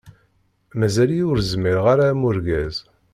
Mazal-iyi ur zmireɣ ara am urgaz.